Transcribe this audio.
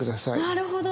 なるほど。